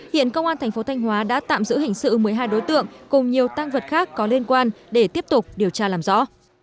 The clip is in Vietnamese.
hiện công an thành phố thanh hóa đã tạm giữ hình sự một mươi hai đối tượng cùng nhiều tăng vật khác có liên quan để tiếp tục điều tra làm rõ